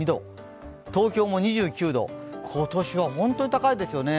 東京も２９度、今年は本当に高いですよね。